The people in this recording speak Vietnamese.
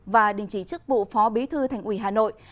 và đình chỉ chức vụ phó bí thư thành ủy hà nội